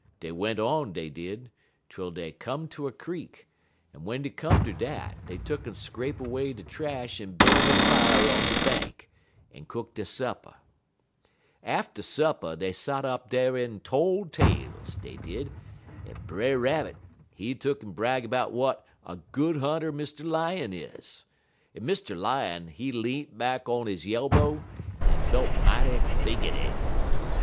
Dey went on, dey did, twel dey come ter a creek, en w'en dey come ter dat, dey tuck'n scrape away de trash en built um a fire on de bank, en cook dey supper. "Atter supper dey sot up dar en tole tales, dey did, en Brer Rabbit, he tuck'n brag 'bout w'at a good hunter Mr. Lion is, en Mr. Lion, he leant back on he yelbow, en feel mighty biggity.